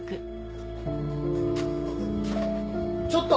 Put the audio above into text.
ちょっと！